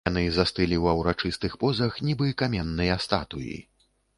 Яны застылі ва ўрачыстых позах, нібы каменныя статуі.